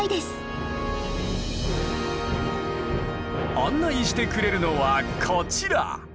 案内してくれるのはこちら。